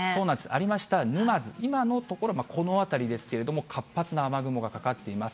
ありました沼津、今のところ、この辺りですけれども、活発な雨雲がかかっています。